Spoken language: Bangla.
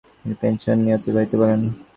তিনি পেনশন নিয়ে অতিবাহিত করেন।